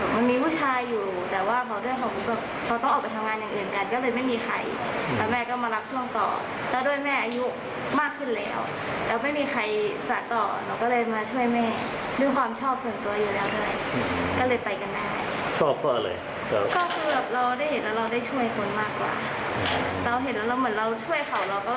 เราเห็นแล้วเราช่วยเขาเราก็มีความปลูก